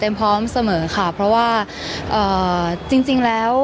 เต็มพร้อมเสมอค่ะเพราะว่าเอ่อจริงแล้ว